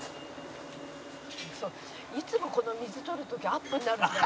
「いつもこの水撮る時アップになるんだよ」